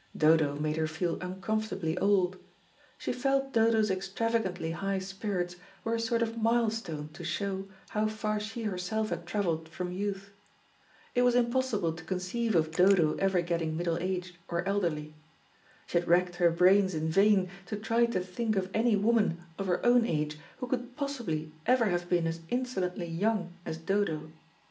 Dodo made her feel uncomfortably old. She felt Dodo's extravagantly high spirits were a sort of milestone to show, how far she herself had travelled from youth. It was impossible to conceive of Dodo ever getting middle aged or elderly. She had racked her brains in vain to try to think of any woman of her own age who could possibly ever have been as insolently young as Dodo.